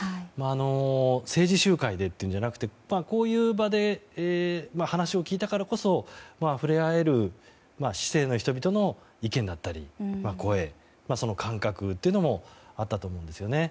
政治集会でというんじゃなくてこういう場で話を聞いたからこそ触れ合える人々の意見だったり声、その感覚というのもあったと思うんです。